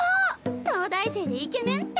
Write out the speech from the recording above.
東大生でイケメンって。